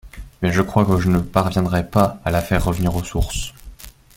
mais je crois que je ne parviendrai pas à la faire revenir aux sources…